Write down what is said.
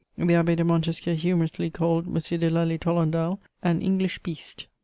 The Abbé de Montesquiou humorously called M. de Lally Tolendal "an English beast."